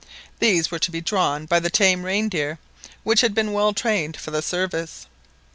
These were to be drawn by the tamed reindeer, which had been well trained for the service.